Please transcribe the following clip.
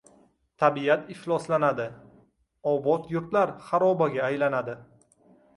tabiat ifloslanadi, obod yurtlar xarobaga aylanadi.